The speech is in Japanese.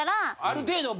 ある程度。